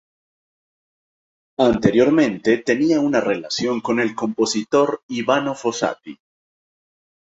Anteriormente tenía una relación con el compositor Ivano Fossati.